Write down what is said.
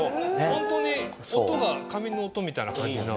ホントに音が紙の音みたいな感じの。